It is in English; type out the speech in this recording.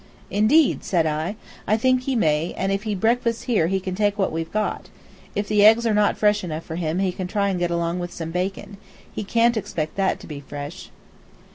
"Indeed!" said I. "I think he may, and if he breakfasts here he can take what we've got. If the eggs are not fresh enough for him he can try to get along with some bacon. He can't expect that to be fresh."